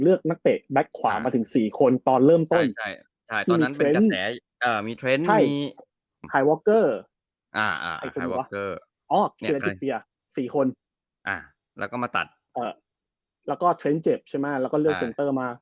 แล้วก็เทรนด์เจ็บใช่ไหมแล้วก็เลือกเซ็นเตอร์มา